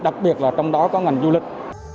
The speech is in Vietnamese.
đặc biệt là trong đó có ngành du lịch